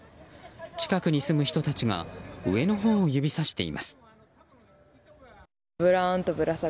近くに住む人たちが上のほうを指さしています。